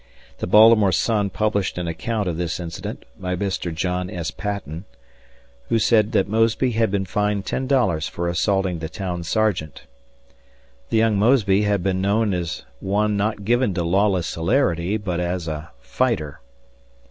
The Baltimore Sun published an account of this incident, by Mr. John S. Patton, who said that Mosby had been fined ten dollars for assaulting the town sergeant. The young Mosby had been known as one not given to lawless hilarity, but as a "fighter."